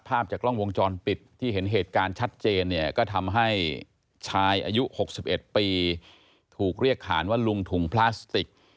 ภาพจากกล้องวงจรปิดที่เห็นเหตุการณ์ชัดเจนเนี่ยก็ทำให้ชายอายุ๖๑ปีถูกเรียกขานว่าลุงถุงพลาสติก